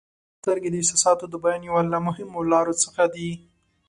• سترګې د احساساتو د بیان یوه له مهمو لارو څخه دي.